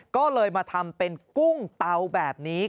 ก็เลยมาทำเป็นกุ้งเตาแบบนี้